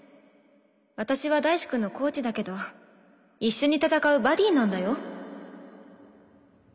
私は大志くんのコーチだけど一緒に戦うバディなんだよ。